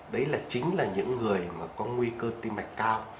đấy là chính là những người mà có nguy cơ tim mạch cao